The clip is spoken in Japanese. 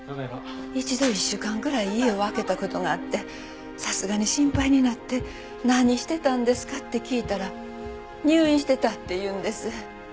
一度１週間くらい家を空けた事があってさすがに心配になって何してたんですか？って聞いたら入院してたって言うんです。